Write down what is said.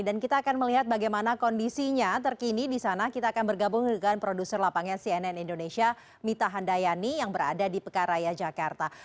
dan kita akan melihat bagaimana kondisinya terkini di sana kita akan bergabung dengan produser lapangan cnn indonesia mita handayani yang berada di pekaraya jakarta